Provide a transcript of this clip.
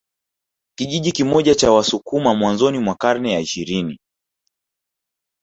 Kijiji kimojawapo cha Wasukuma mwanzoni mwa karne ya ishirini